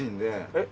えっ？